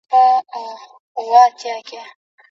که لارښود ښه وي، څېړونکی به ډېر څه زده کړي.